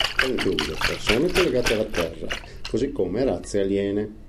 Ciò incluse persone collegate alla Terra così come razze aliene.